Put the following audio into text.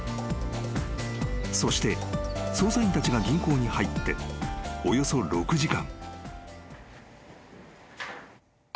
［そして捜査員たちが銀行に入っておよそ６時間］